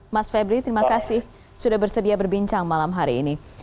mas febri terima kasih sudah bersedia berbincang malam hari ini